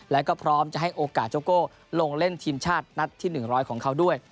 แล้วก็พร้อมจะให้โอกาสโจโก้ลงเล่นทีมชาตินัดที่๑๐๐ของเขาด้วย